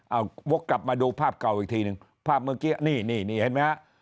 เอาวกกลับมาดูภาพเก่าอีกทีหนึ่งภาพเมื่อกี้นี่นี่เห็นไหมฮะ